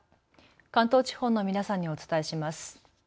関東地方の皆さんにお伝えします。